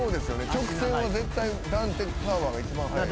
直線は絶対ダンテ・カーヴァーが一番速い。